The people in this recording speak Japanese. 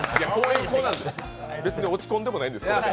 別に落ち込んでもないですね。